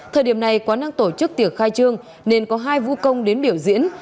thời điểm này quán đang tổ chức tiệc khai trương nên có hai vũ công đến biểu diễn